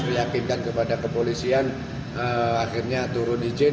meyakinkan kepada kepolisian akhirnya turun izin